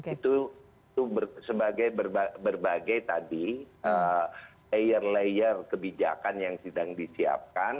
itu sebagai berbagai tadi layer layer kebijakan yang sedang disiapkan